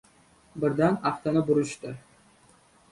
Birdan afti burishdi.